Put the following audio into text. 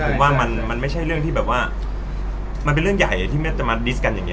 ผมว่าว่าไม่มีเรื่องใหญ่ที่จะมาดิสกันอย่างงี้